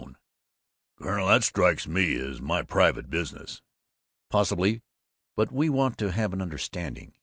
"Colonel, that strikes me as my private business." "Possibly, but we want to have an understanding.